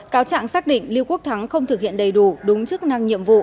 cáo trạng xác định lưu quốc thắng không thực hiện đầy đủ đúng chức năng nhiệm vụ